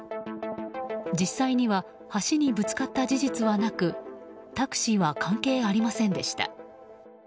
実際には橋にぶつかった事実はなくタクシーは関係ありませんでした。